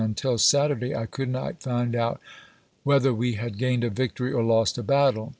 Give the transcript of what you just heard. until Saturday I could not find out whether we had Bautweii, gained a victory or lost a battle.